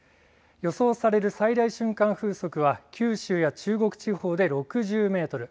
予想される最大瞬間風速は、九州や中国地方で６０メートル。